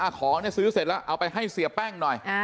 ของซื้อเสร็จแล้วเอาไปให้เสียแป้งหน่อย